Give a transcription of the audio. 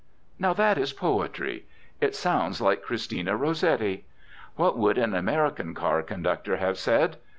Now that is poetry. It sounds like Christina Rossetti. What would an American car conductor have said?